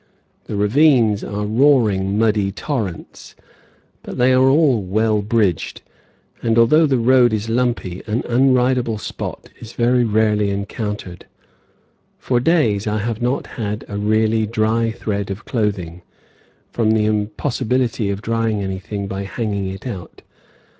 The ravines are roaring, muddy torrents, but they are all well bridged, and although the road is lumpy, an unridable spot is very rarely encountered. For days I have not had a really dry thread of clothing, from the impossibility of drying anything by hanging it out.